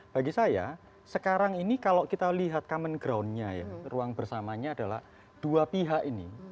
bagi saya sekarang ini kalau kita lihat common groundnya ya ruang bersamanya adalah dua pihak ini